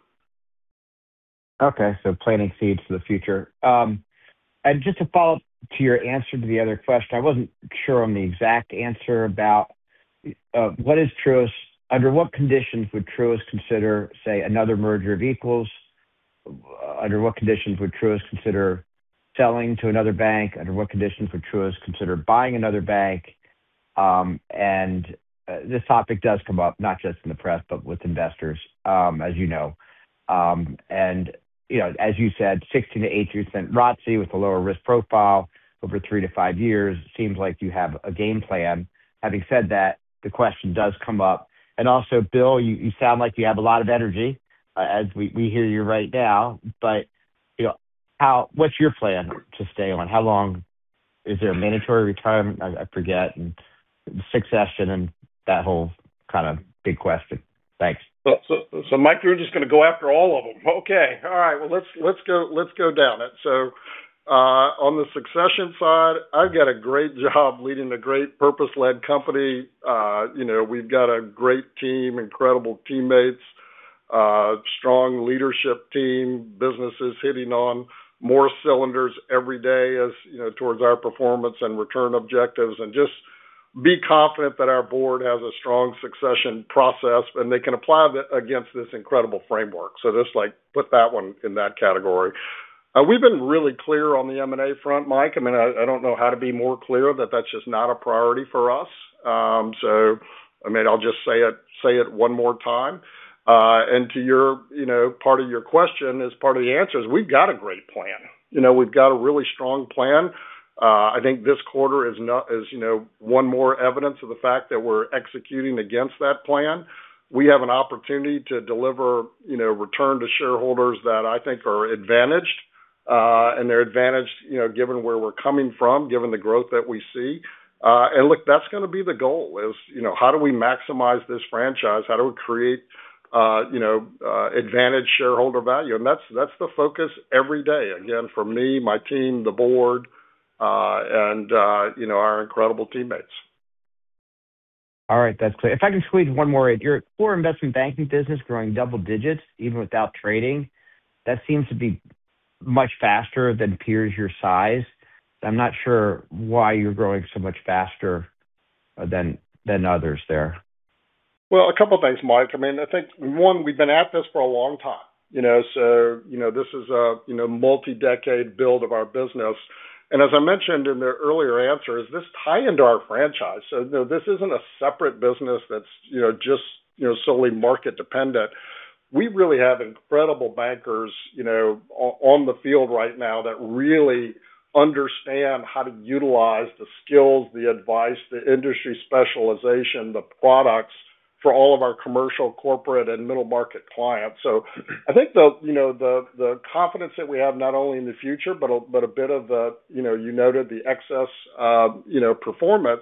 Okay, planting seeds for the future. Just to follow up to your answer to the other question, I wasn't sure on the exact answer about under what conditions would Truist consider, say, another merger of equals? Under what conditions would Truist consider selling to another bank? Under what conditions would Truist consider buying another bank? This topic does come up not just in the press, but with investors, as you know. As you said, 16%-18% ROTCE with a lower risk profile over three to five years seems like you have a game plan. Having said that, the question does come up. Also, Bill, you sound like you have a lot of energy. As we hear you right now, but what's your plan to stay on? How long? Is there a mandatory retirement? I forget. Succession and that whole kind of big question. Thanks. Mike, you're just going to go after all of them. Okay. All right. Well, let's go down it. On the succession side, I've got a great job leading a great purpose-led company. We've got a great team, incredible teammates, strong leadership team, businesses firing on more cylinders every day as toward our performance and return objectives. Just be confident that our board has a strong succession process and they can apply against this incredible framework. Just put that one in that category. We've been really clear on the M&A front, Mike. I don't know how to be more clear. That's just not a priority for us. I'll just say it one more time. To part of your question as part of the answer is, we've got a great plan. We've got a really strong plan. I think this quarter is one more evidence of the fact that we're executing against that plan. We have an opportunity to deliver return to shareholders that I think are advantaged, and they're advantaged given where we're coming from, given the growth that we see. Look, that's going to be the goal is how do we maximize this franchise? How do we create advantage shareholder value? That's the focus every day, again, for me, my team, the board, and our incredible teammates. All right. That's clear. If I can squeeze one more in? Your core investment banking business growing double digits even without trading. That seems to be much faster than peers your size. I'm not sure why you're growing so much faster than others there. Well, a couple of things, Mike. I think one, we've been at this for a long time. This is a multi-decade build of our business. As I mentioned in the earlier answers, this ties into our franchise. This isn't a separate business that's just solely market dependent. We really have incredible bankers on the field right now that really understand how to utilize the skills, the advice, the industry specialization, the products for all of our commercial, corporate, and middle market clients. I think the confidence that we have, not only in the future, but a bit of the, you noted the excess performance,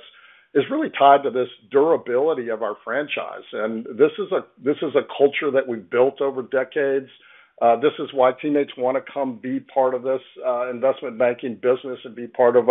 is really tied to this durability of our franchise. This is a culture that we've built over decades. This is why teammates want to come be part of this investment banking business and be part of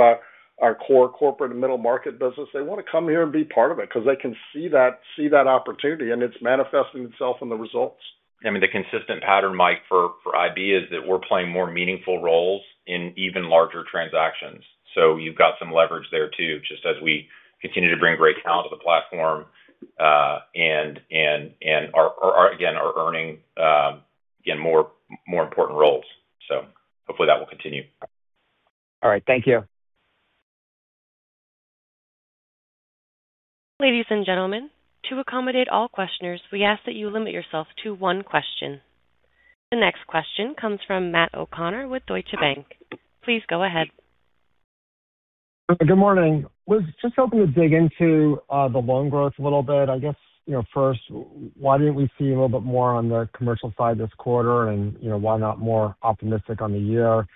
our core corporate and middle market business. They want to come here and be part of it because they can see that opportunity, and it's manifesting itself in the results. The consistent pattern, Mike, for IB is that we're playing more meaningful roles in even larger transactions. You've got some leverage there too, just as we continue to bring great talent to the platform, and again, are earning more important roles. Hopefully that will continue. All right. Thank you. Ladies and gentlemen, to accommodate all questioners, we ask that you limit yourself to one question. The next question comes from Matt O'Connor with Deutsche Bank. Please go ahead. Good morning. I was just hoping to dig into the loan growth a little bit, I guess first, why didn't we see a little bit more on the commercial side this quarter and why not more optimistic on the year?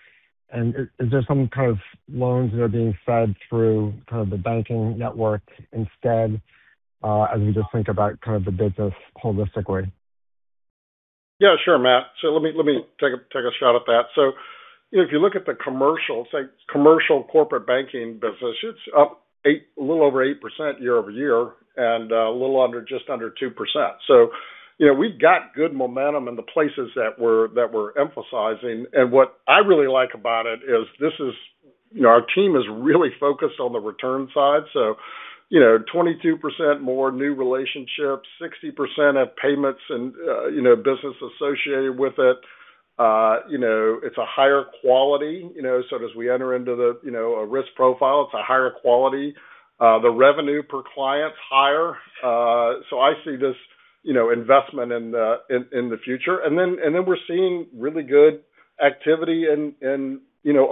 Is there some kind of loans that are being fed through kind of the banking network instead, as we just think about kind of the business holistically? Yeah, sure Matt. Let me take a shot at that. If you look at the commercial corporate banking business, it's up a little over 8% year-over-year and a little just under 2%. We've got good momentum in the places that we're emphasizing. What I really like about it is our team is really focused on the return side. 22% more new relationships, 60% have payments and business associated with it. It's a higher quality. As we enter into the risk profile, it's a higher quality. The revenue per client is higher. I see this investment in the future. Then we're seeing really good activity in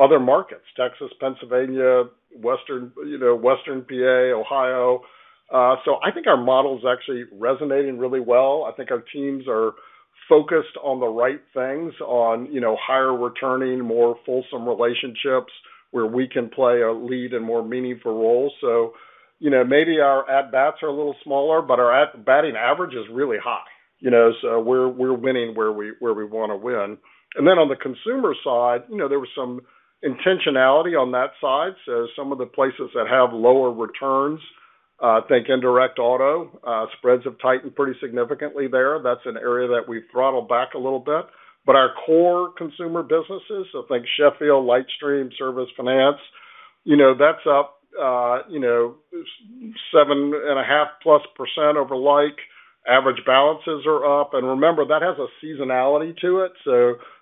other markets, Texas, Pennsylvania, Western PA, Ohio. I think our model is actually resonating really well. I think our teams are focused on the right things on higher returning, more fulsome relationships where we can play a lead and more meaningful role. Maybe our at bats are a little smaller, but our batting average is really high. We're winning where we want to win. Then on the consumer side, there was some intentionality on that side. Some of the places that have lower returns, think indirect auto, spreads have tightened pretty significantly there. That's an area that we throttled back a little bit. Our core consumer businesses, so think Sheffield, LightStream, Service Finance, that's up 7.5%+ over like. Average balances are up. Remember, that has a seasonality to it.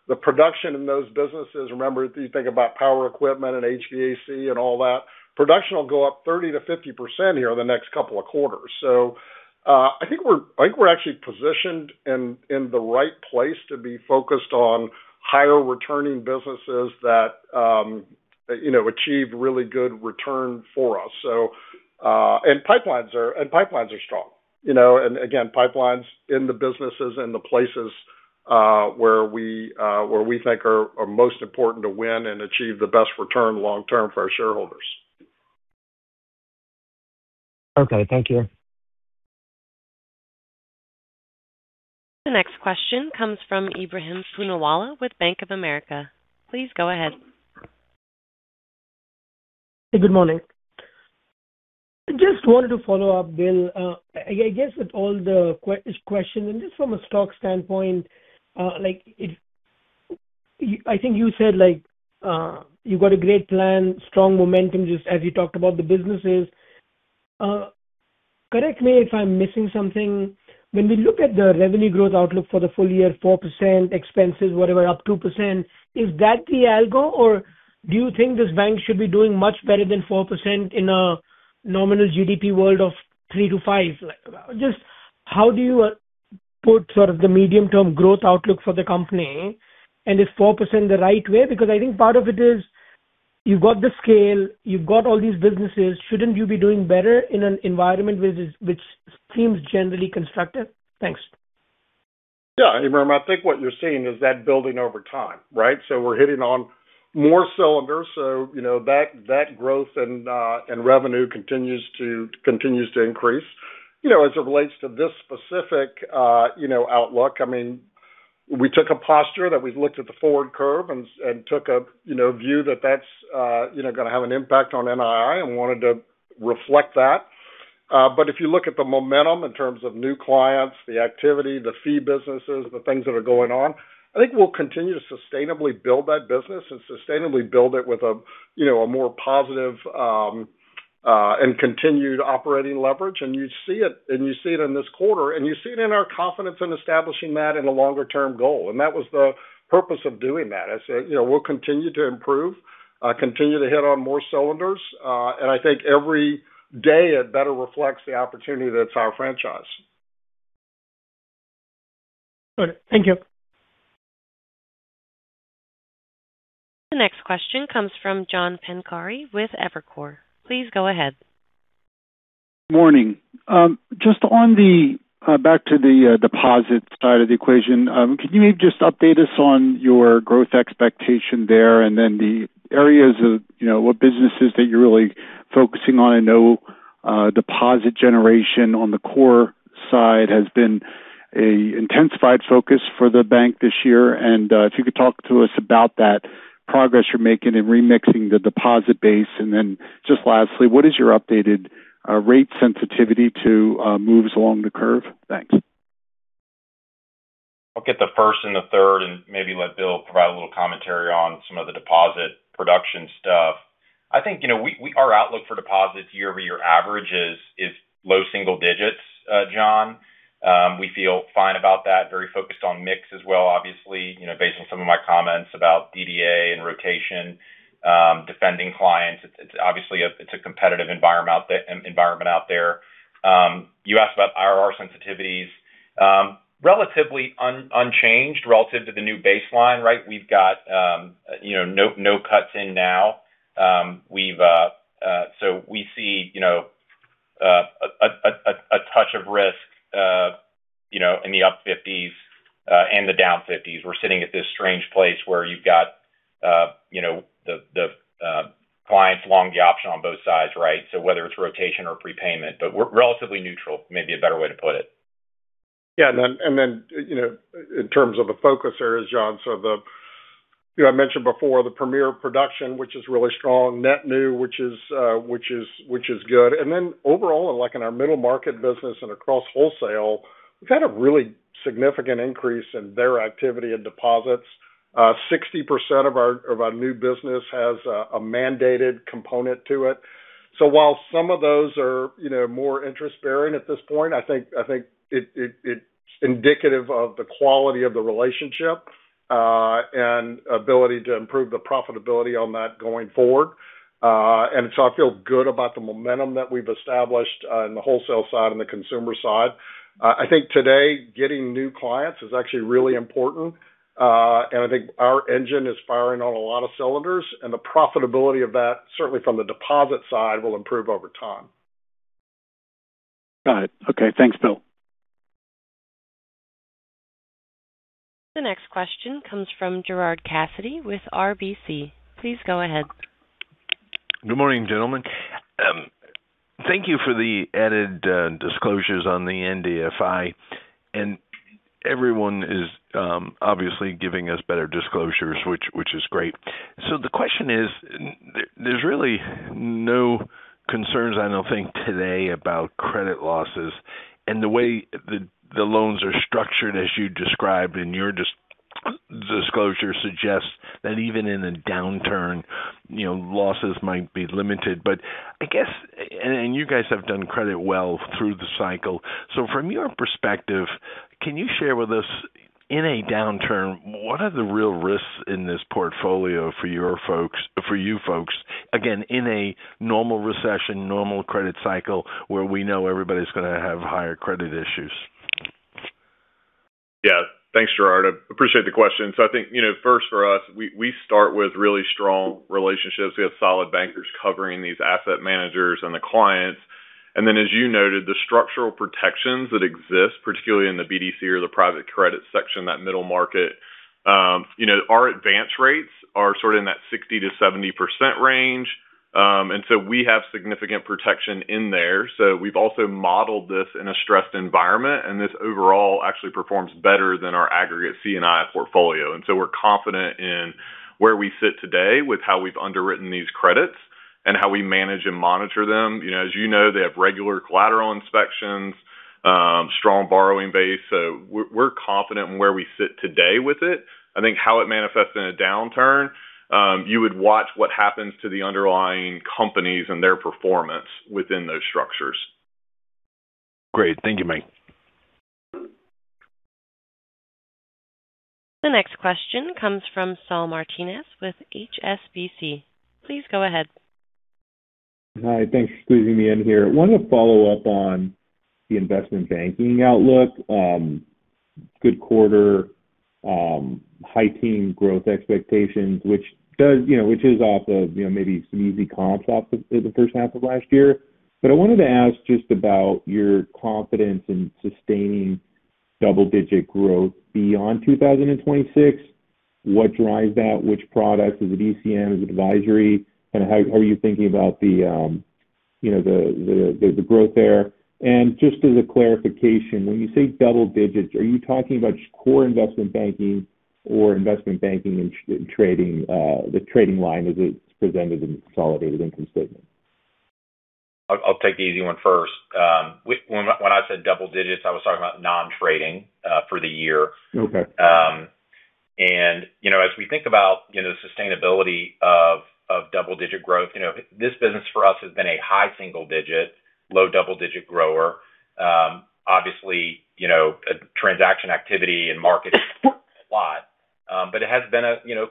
The production in those businesses, remember, if you think about power equipment and HVAC and all that, production will go up 30%-50% here in the next couple of quarters. I think we're actually positioned in the right place to be focused on higher returning businesses that achieve really good return for us. Pipelines are strong. Again, pipelines in the businesses, in the places where we think are most important to win and achieve the best return long-term for our shareholders. Okay. Thank you. The next question comes from Ebrahim Poonawala with Bank of America. Please go ahead. Good morning. Just wanted to follow up, Bill. I guess with all these questions and just from a stock standpoint, I think you said you've got a great plan, strong momentum, just as you talked about the businesses. Correct me if I'm missing something. When we look at the revenue growth outlook for the full year, 4%, expenses, whatever, up 2%, is that the algo, or do you think this bank should be doing much better than 4% in a nominal GDP world of 3%-5%? Just how do you put sort of the medium-term growth outlook for the company, and is 4% the right way? Because I think part of it is you've got the scale, you've got all these businesses. Shouldn't you be doing better in an environment which seems generally constructive? Thanks. Yeah. Ebrahim, I think what you're seeing is that building over time, right? We're hitting on more cylinders. That growth and revenue continues to increase. As it relates to this specific outlook, we took a posture that we've looked at the forward curve and took a view that that's going to have an impact on NII and wanted to reflect that. If you look at the momentum in terms of new clients, the activity, the fee businesses, the things that are going on, I think we'll continue to sustainably build that business and sustainably build it with a more positive and continued operating leverage. You see it in this quarter, and you see it in our confidence in establishing that in a longer-term goal. That was the purpose of doing that. I said we'll continue to improve, continue to hit on more cylinders. I think every day it better reflects the opportunity that's our franchise. Got it. Thank you. The next question comes from John Pancari with Evercore. Please go ahead. Morning. Just back to the deposit side of the equation. Can you maybe just update us on your growth expectation there and then the areas of what businesses that you're really focusing on? I know deposit generation on the core side has been an intensified focus for the bank this year, and if you could talk to us about that progress you're making in remixing the deposit base. Just lastly, what is your updated rate sensitivity to moves along the curve? Thanks. I'll get the first and the third and maybe let Bill provide a little commentary on some of the deposit production stuff. I think our outlook for deposits year-over-year average is low single digits, John. We feel fine about that. Very focused on mix as well, obviously based on some of my comments about DDA and rotation, defending clients. It's a competitive environment out there. You asked about IRR sensitivities. Relatively unchanged relative to the new baseline, right? We've got no cuts in now. We see a touch of risk in the up fifties and the down fifties. We're sitting at this strange place where you've got the clients along the option on both sides, right? Whether it's rotation or prepayment, but we're relatively neutral, maybe a better way to put it. Yeah. In terms of the focus areas, John. I mentioned before the premier production, which is really strong, net new, which is good. Overall, like in our middle market business and across wholesale, we've had a really significant increase in their activity and deposits. 60% of our new business has a mandated component to it. While some of those are more interest-bearing at this point, I think it's indicative of the quality of the relationship and ability to improve the profitability on that going forward. I feel good about the momentum that we've established on the wholesale side and the consumer side. I think today getting new clients is actually really important. I think our engine is firing on a lot of cylinders, and the profitability of that, certainly from the deposit side, will improve over time. Got it. Okay. Thanks, Bill. The next question comes from Gerard Cassidy with RBC. Please go ahead. Good morning, gentlemen. Thank you for the added disclosures on the NDFI. Everyone is obviously giving us better disclosures, which is great. The question is, there's really no concerns, I don't think today about credit losses and the way the loans are structured as you described in your disclosure suggests that even in a downturn, losses might be limited. I guess, and you guys have done credit well through the cycle. From your perspective, can you share with us in a downturn, what are the real risks in this portfolio for you folks, again, in a normal recession, normal credit cycle where we know everybody's going to have higher credit issues? Thanks, Gerard. I appreciate the question. I think, first for us, we start with really strong relationships. We have solid bankers covering these asset managers and the clients. As you noted, the structural protections that exist, particularly in the BDC or the private credit section, that middle market. Our advance rates are sort of in that 60%-70% range. We have significant protection in there. We've also modeled this in a stressed environment, and this overall actually performs better than our aggregate C&I portfolio. We're confident in where we sit today with how we've underwritten these credits and how we manage and monitor them. As you know, they have regular collateral inspections, strong borrowing base. We're confident in where we sit today with it. I think how it manifests in a downturn, you would watch what happens to the underlying companies and their performance within those structures. Great. Thank you, Mike. The next question comes from Saul Martinez with HSBC. Please go ahead. Hi, thanks for squeezing me in here. I wanted to follow up on the investment banking outlook. Good quarter, high-teens growth expectations, which is off of maybe some easy comps off the first half of last year. I wanted to ask just about your confidence in sustaining double-digit growth beyond 2026. What drives that? Which product? Is it ECM? Is it advisory? How are you thinking about the growth there? Just as a clarification, when you say double digits, are you talking about just core investment banking or investment banking and the trading line as it's presented in the consolidated income statement? I'll take the easy one first. When I said double digits, I was talking about non-trading for the year. Okay. As we think about the sustainability of double-digit growth, this business for us has been a high single digit, low double-digit grower. Obviously, transaction activity and markets matter a lot. It has been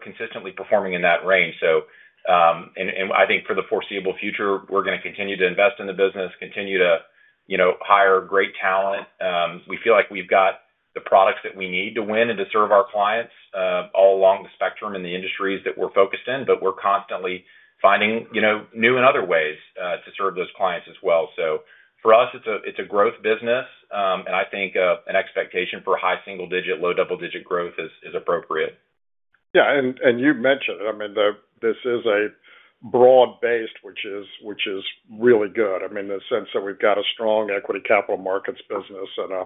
consistently performing in that range. I think for the foreseeable future, we're going to continue to invest in the business, continue to hire great talent. We feel like we've got the products that we need to win and to serve our clients all along the spectrum in the industries that we're focused in, but we're constantly finding new and other ways to serve those clients as well. For us, it's a growth business, and I think an expectation for high single digit, low double-digit growth is appropriate. Yeah. You've mentioned it, this is broad-based, which is really good. I mean, in the sense that we've got a strong equity capital markets business and a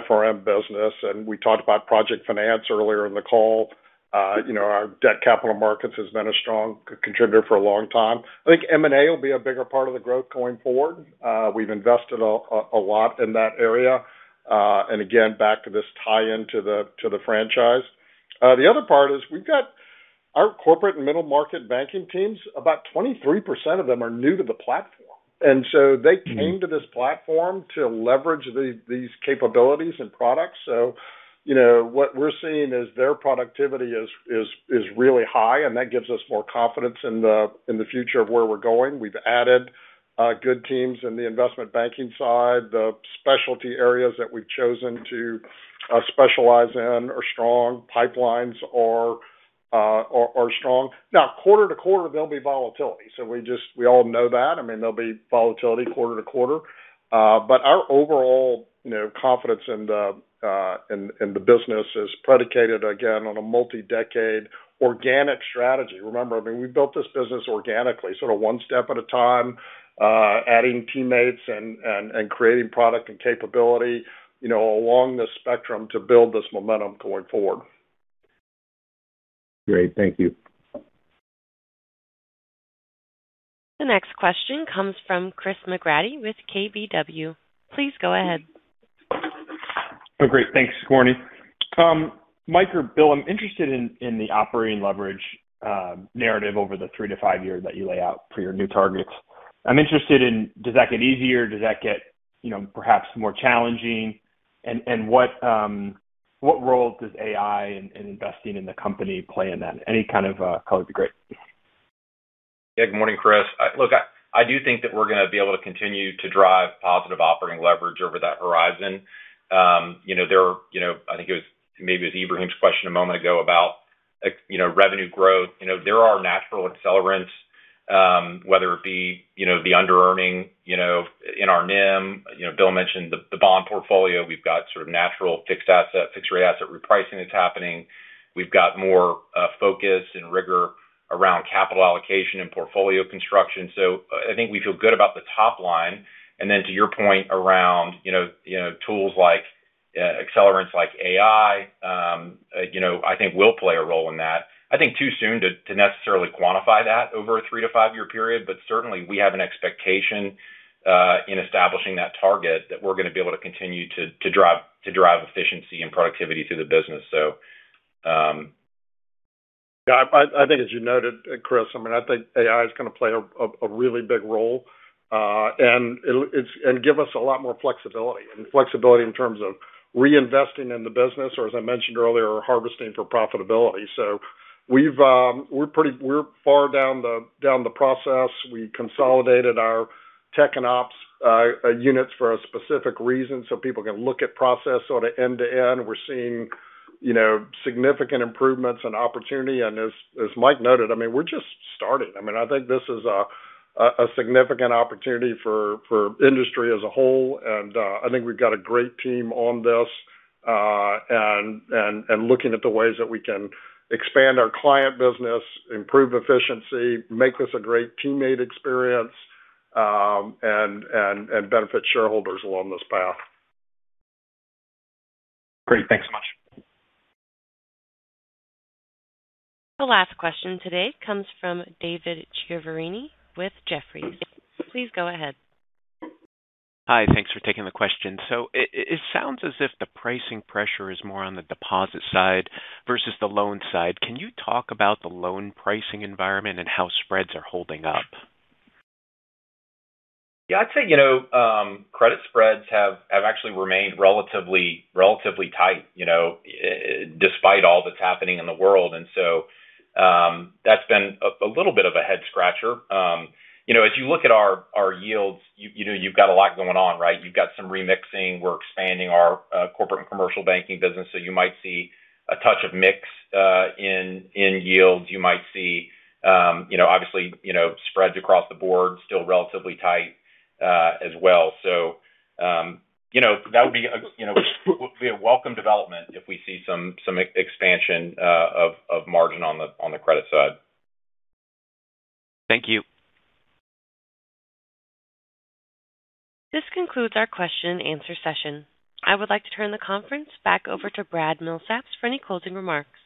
FRM business, and we talked about project finance earlier in the call. Our debt capital markets has been a strong contributor for a long time. I think M&A will be a bigger part of the growth going forward. We've invested a lot in that area. Again, back to this tie-in to the franchise. The other part is we've got our corporate and middle market banking teams, about 23% of them are new to the platform. They came to this platform to leverage these capabilities and products. What we're seeing is their productivity is really high, and that gives us more confidence in the future of where we're going. We've added good teams in the investment banking side. The specialty areas that we've chosen to specialize in are strong. Pipelines are strong. Now, quarter to quarter, there'll be volatility. We all know that. I mean, there'll be volatility quarter to quarter. Our overall confidence in the business is predicated, again, on a multi-decade organic strategy. Remember, I mean, we built this business organically, sort of one step at a time, adding teammates and creating product and capability along the spectrum to build this momentum going forward. Great. Thank you. The next question comes from Chris McGratty with KBW. Please go ahead. Oh, great. Thanks, Courtney. Mike or Bill, I'm interested in the operating leverage narrative over the three to five year that you lay out for your new targets. I'm interested in, does that get easier? Does that get perhaps more challenging? What role does AI and investing in the company play in that? Any kind of color would be great. Yeah. Good morning, Chris. Look, I do think that we're going to be able to continue to drive positive operating leverage over that horizon. I think it was maybe Ebrahim's question a moment ago about revenue growth. There are natural accelerants, whether it be the under-earning in our NIM. Bill mentioned the bond portfolio. We've got sort of natural fixed rate asset repricing that's happening. We've got more focus and rigor around capital allocation and portfolio construction. I think we feel good about the top line. Then to your point around tools like accelerants like AI, I think will play a role in that. I think too soon to necessarily quantify that over a three to five year period. Certainly, we have an expectation in establishing that target that we're going to be able to continue to drive efficiency and productivity through the business. Yeah. I think as you noted, Chris, I think AI is going to play a really big role and give us a lot more flexibility. Flexibility in terms of reinvesting in the business, or as I mentioned earlier, harvesting for profitability. We're far down the process. We consolidated our tech and ops units for a specific reason so people can look at process sort of end to end. We're seeing significant improvements and opportunity. As Mike noted, we're just starting. I think this is a significant opportunity for industry as a whole, and I think we've got a great team on this. Looking at the ways that we can expand our client business, improve efficiency, make this a great teammate experience, and benefit shareholders along this path. Great. Thanks so much. The last question today comes from David Chiaverini with Jefferies. Please go ahead. Hi. Thanks for taking the question. It sounds as if the pricing pressure is more on the deposit side versus the loan side. Can you talk about the loan pricing environment and how spreads are holding up? Yeah, I'd say credit spreads have actually remained relatively tight despite all that's happening in the world. That's been a little bit of a head scratcher. If you look at our yields, you've got a lot going on, right? You've got some remixing. We're expanding our corporate and commercial banking business, so you might see a touch of mix in yields. You might see obviously spreads across the board still relatively tight as well. That would be a welcome development if we see some expansion of margin on the credit side. Thank you. This concludes our question and answer session. I would like to turn the conference back over to Brad Milsaps for any closing remarks.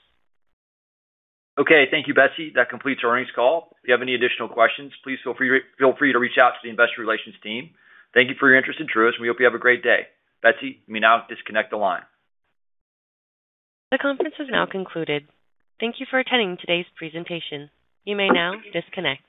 Okay. Thank you, Betsy. That completes our earnings call. If you have any additional questions, please feel free to reach out to the investor relations team. Thank you for your interest in Truist. We hope you have a great day. Betsy, you may now disconnect the line. The conference is now concluded. Thank you for attending today's presentation. You may now disconnect.